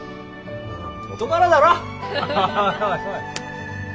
元からだろ？